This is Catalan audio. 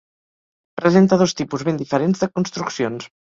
Presenta dos tipus ben diferents de construccions.